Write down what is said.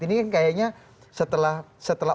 ini kan kayaknya setelah